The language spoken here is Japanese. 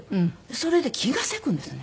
それで気がせくんですね。